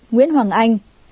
một nguyễn hoàng anh